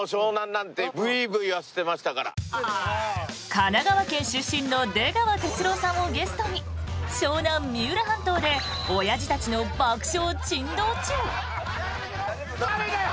神奈川県出身の出川哲朗さんをゲストに湘南・三浦半島でおやじたちの爆笑珍道中！